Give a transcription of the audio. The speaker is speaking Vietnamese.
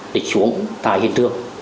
để xuống tại hiện trường